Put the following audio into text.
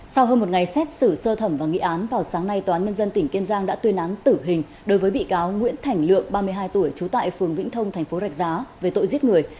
sau hơn một ngày xét xử sơ thẩm và nghị án vào sáng nay tòa án nhân dân tỉnh kiên giang đã tuyên án tử hình đối với bị cáo nguyễn thảnh lượng ba mươi hai tuổi trú tại phường vĩnh thông thành phố rạch giá về tội giết người